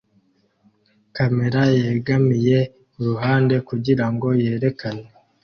Kamera yegamiye kuruhande kugirango yerekane